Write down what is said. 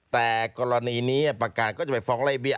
แต่กรณีนี้ประกาศก็จะไปฟ้องไล่เบี้ย